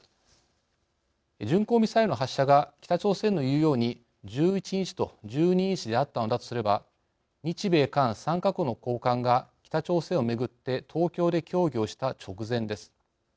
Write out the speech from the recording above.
巡航ミサイルの発射が北朝鮮のいうように１１日と１２日であったのだとすれば日米韓３か国の高官が北朝鮮をめぐって東京で協議をした直前です。